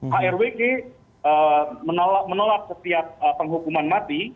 hrwg menolak setiap penghukuman mati